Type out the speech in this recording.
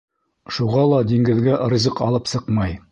Шуға ла диңгеҙгә ризыҡ алып сыҡмай.